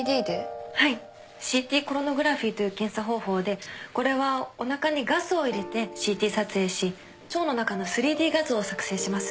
はい ＣＴ コロノグラフィという検査方法でこれはおなかにガスを入れて ＣＴ 撮影し腸の中の ３Ｄ 画像を作成します